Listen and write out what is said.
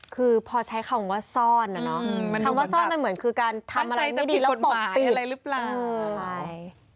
คือพอใช้คำว่าซ่อนอะเนาะคำว่าซ่อนมันเหมือนคือการทำอะไรไม่ดีแล้วปกปิดอะไรหรือเปล่าใช่